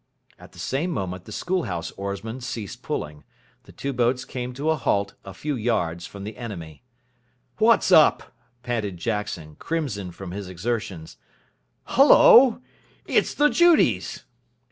At the same moment the School House oarsmen ceased pulling. The two boats came to a halt a few yards from the enemy. "What's up?" panted Jackson, crimson from his exertions. "Hullo, it's the Judies!"